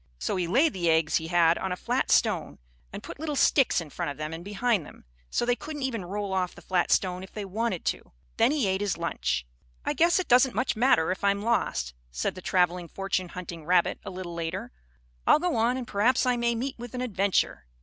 So he laid the eggs he had on the flat stone, and put little sticks in front of them and behind them, so they couldn't even roll off the flat stone if they wanted to. Then he ate his lunch. "I guess it doesn't much matter if I am lost," said the traveling fortune hunting rabbit a little later. "I'll go on and perhaps I may meet with an adventure."